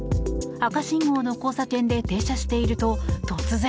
赤信号の交差点で停車していると突然。